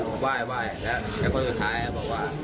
แต่มันไม่มีแรงกลับไปช่วย